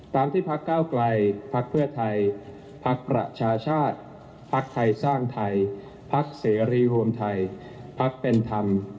ที่พักเก้าไกลพักเพื่อไทยพักประชาชาติภักดิ์ไทยสร้างไทยพักเสรีรวมไทยพักเป็นธรรม